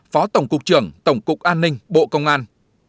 phó tổng cục trưởng tổng cục an ninh bộ công an